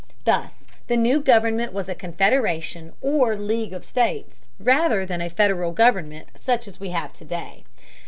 Thus the new government was a confederation or league of states, rather than a federal government such as we have to day.